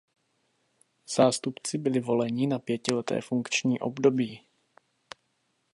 Zástupci byli voleni na pětileté funkční období.